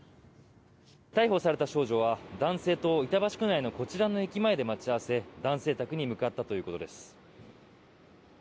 逮捕された少女は男性と板橋区内のこちらの駅前で待ち合わせ男性宅に向かったということです。